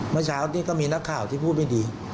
เมื่อเช้านี้ก็มีนักข่าวที่พูดไม่ดี